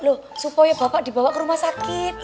loh supaya bapak dibawa ke rumah sakit